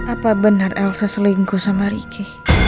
apa benar elsa selingkuh sama ricky